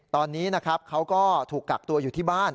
ตอนนี้นะครับเขาก็ถูกกักตัวอยู่ที่บ้าน